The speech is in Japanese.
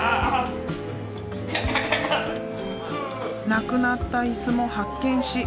なくなった椅子も発見し